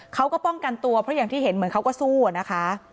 เขาก็ป้องกันตัวเพราะอย่างที่เห็นเหมือนเขาก็สู้อะนะคะ